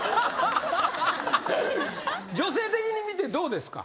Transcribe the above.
女性的に見てどうですか？